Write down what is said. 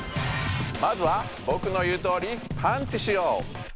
まずはぼくの言うとおりパンチしよう。